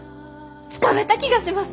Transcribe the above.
つかめた気がします！